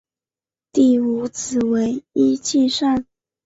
第五子为尹继善。